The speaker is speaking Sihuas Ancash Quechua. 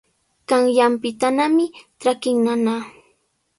Qanyaanpitanami trakin nana.